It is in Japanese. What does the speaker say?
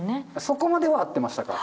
そこまでは合ってましたか？